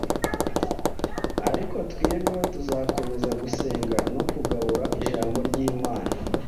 Ariko twebweho tuzakomeza gusenga no kugabura ijambo ry’Imana. ”